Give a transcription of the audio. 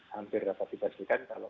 hampir dapat dibasarkan kalau